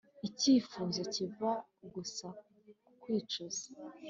Icyifuzo kiva gusa kwicuza